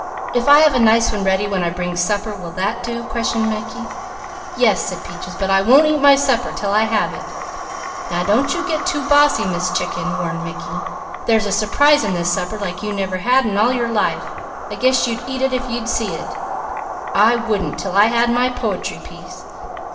"If I have a nice one ready when I bring supper, will that do?" questioned Mickey. "Yes," said Peaches. "But I won't eat my supper 'til I have it." "Now don't you get too bossy, Miss Chicken," warned Mickey. "There's a surprise in this supper like you never had in all your life. I guess you'd eat it, if you'd see it." "I wouldn't 'til I had my po'try piece."